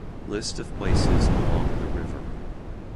List of places along the river.